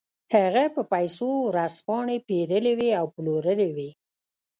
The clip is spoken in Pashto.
هغه په پیسو ورځپاڼې پېرلې وې او پلورلې وې